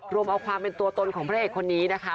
รวมเอาความเป็นตัวตนของพระเอกคนนี้นะคะ